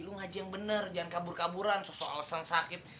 lo ngaji yang bener jangan kabur kaburan soal alasan sakit